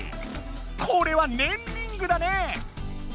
これはねんリングだね！